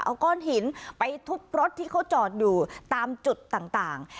เอาก้อนหินไปทุบรถที่เขาจอดอยู่ตามจุดต่าง